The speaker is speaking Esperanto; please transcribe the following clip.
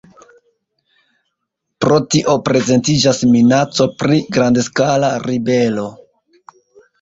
Pro tio prezentiĝas minaco pri grandskala ribelo.